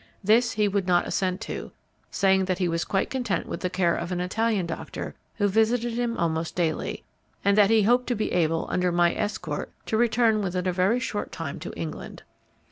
This he would not assent to, saying that he was quite content with the care of an Italian doctor who visited him almost daily, and that he hoped to be able, under my escort, to return within a very short time to England.